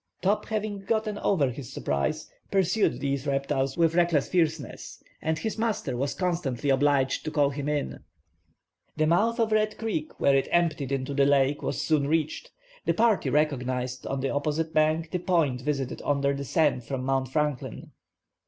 Top having gotten over his surprise, pursued these reptiles with reckless fierceness, and his master was constantly obliged to call him in. The mouth of Red Creek, where it emptied into the lake, was soon reached. The party recognized on the opposite bank the point visited on their descent from Mount Franklin.